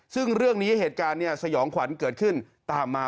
ซึ่งเรื่องนี้เหตุการณ์สยองขวัญเกิดขึ้นตามมา